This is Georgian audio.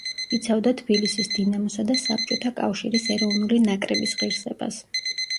იცავდა თბილისის „დინამოსა“ და საბჭოთა კავშირის ეროვნული ნაკრების ღირსებას.